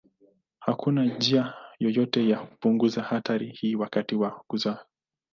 Hakuna njia yoyote ya kupunguza hatari hii wakati wa kuzaa.